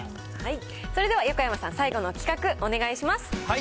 それでは横山さん、最後の企画、お願いします。